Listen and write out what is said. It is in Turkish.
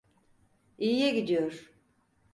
İyiye gidiyor.